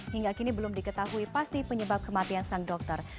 hingga kini belum diketahui pasti penyebab kematian sang dokter